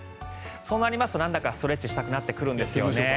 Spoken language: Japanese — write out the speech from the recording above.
そうなりますとなんだかストレッチやりたくなってくるんですよね。